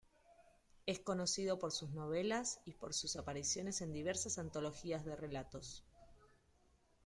Es conocido por sus novelas y por sus apariciones en diversas antologías de relatos.